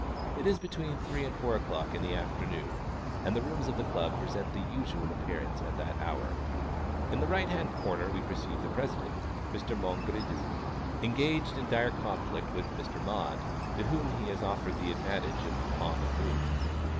It is between three and four o'clock in the afternoon, and the rooms of the Club present the usual appearance at that hour. In the right hand corner we perceive the President, Mr. Mongredieu, engaged in dire conflict with Mr. Maude, to whom he has offered the advantage of Pawn and Move.